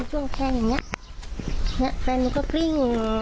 จึงพี่ยูงอย่างเนี่ย